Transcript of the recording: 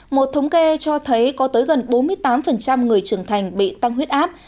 một thống kê cho thấy có tới gần bốn mươi tám người trưởng thành bị tăng huyết áp